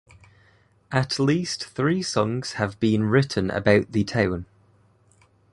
At least three songs have been written about the town.